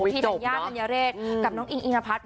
พี่สัญญาณอัญญาเรศกับน้องอิงอิงนพัฒน์